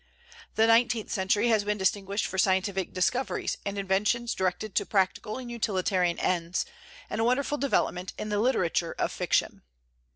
The nineteenth century has been distinguished for scientific discoveries and inventions directed to practical and utilitarian ends, and a wonderful development in the literature of fiction.